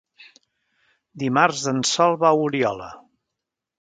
Dimarts en Sol va a Oliola.